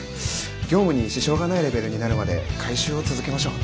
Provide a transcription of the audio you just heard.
業務に支障がないレベルになるまで回収を続けましょう。